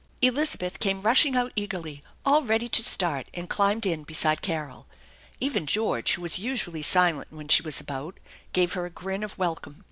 Elizabeth came rushing out eagerly, all ready to start, and climbed in beside Carol. Even George, who was usually silent when she was about, gave her a grin of welcome.